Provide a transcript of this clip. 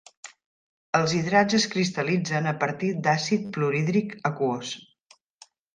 Els hidrats es cristal·litzen a partir d'àcid fluorhídric aquós.